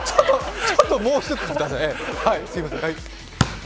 ちょっともう１つください。